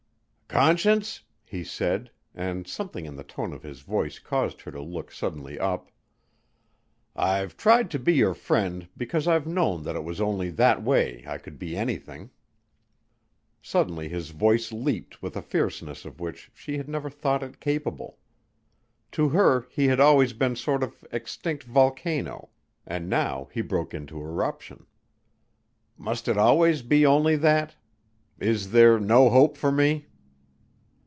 "Conscience," he said, and something in the tone of his voice caused her to look suddenly up, "I've tried to be your friend because I've known that it was only that way I could be anything." Suddenly his voice leaped with a fierceness of which she had never thought it capable. To her he had always been sort of extinct volcano, and now he broke into eruption. "Must it always be only that? Is there no hope for me?"